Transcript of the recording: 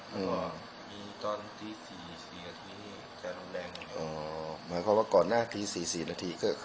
แล้วก็มีตอนตีสี่สี่นาทีจะรุนแรงอ๋อหมายความว่าก่อนหน้าตีสี่สี่นาที